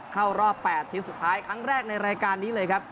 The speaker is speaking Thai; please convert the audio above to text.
เข้ารอบ๘ทีมสุดท้ายครั้งแรกในรายการนี้เลยครับ